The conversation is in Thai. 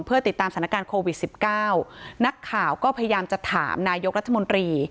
เพื่อติดตามสถานการณ์โควิดสิบเก้านักข่าวก็พยายามจะถามนายกรัฐมนตรี